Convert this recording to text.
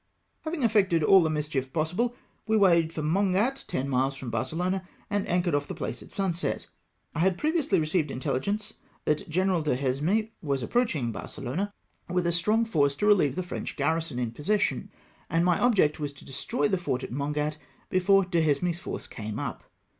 Having effected all the mischief possible, we weighed for Mongat, ten miles from Barcelona, and anchored off the place at sunset. I had previously received inteUi gence that General Duhesme was approacliing Barce lona with a strong force to reheve the French garrison in possession, and my object was to destroy the fort at Mongat before Duhesme's force came up.